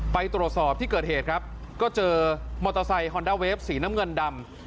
ไปตรวจสอบที่เกิดเหตุครับก็เจอมอเตอร์ไซคอนด้าเวฟสีน้ำเงินดำ